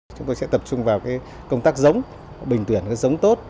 chúng tôi sẽ tập trung vào công tác giống bình tuyển giống tốt